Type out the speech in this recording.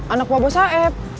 anak wabah saeb